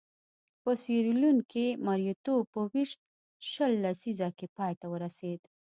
په سیریلیون کې مریتوب په ویشت شل لسیزه کې پای ته ورسېد.